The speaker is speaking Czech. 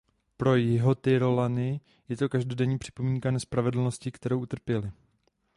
Pro Jihotyrolany je to každodenní připomínka nespravedlnosti, kterou utrpěli.